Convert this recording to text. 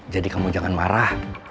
jadi kamu jangan marah